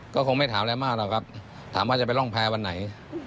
ก็คงไม่ถามอะไรมากหรอกครับถามว่าจะไปร่องแพรวันไหน